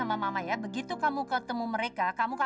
makasih jika ugut ugutan selalu memimpin kita